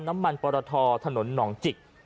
น้ำมันปรทถนนหนองจิก